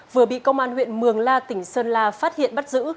vừa bị công an huyện mường la tỉnh sơn la phát hiện bắt giữ